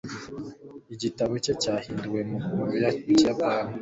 igitabo cye cyahinduwe mu kiyapani